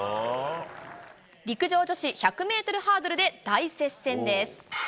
陸上女子１００メートルハードルで大接戦です。